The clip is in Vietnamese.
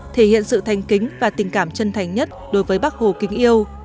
thể hiện sự thành kính và tình cảm chân thành nhất đối với bác hồ kính yêu